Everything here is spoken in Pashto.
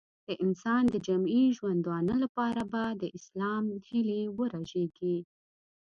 د انسان د جمعي ژوندانه لپاره به د اسلام هیلې ورژېږي.